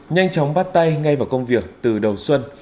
nhanh chóng bắt tay ngay vào công việc từ đầu xuân